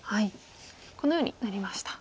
このようになりました。